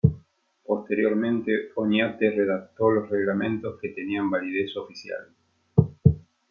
Posteriormente Oñate redactó los reglamentos que tenían validez oficial.